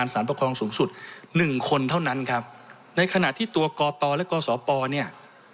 สารปกครองสูงสุดหนึ่งคนเท่านั้นครับในขณะที่ตัวกตและกศปเนี่ย